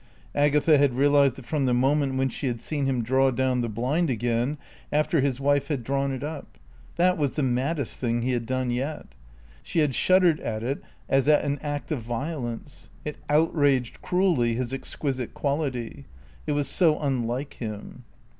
Agatha had realised that from the moment when she had seen him draw down the blind again after his wife had drawn it up. That was the maddest thing he had done yet. She had shuddered at it as at an act of violence. It outraged, cruelly, his exquisite quality. It was so unlike him.